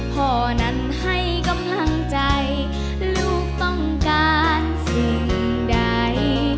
พ่อนั้นให้กำลังใจลูกต้องการสิ่งใด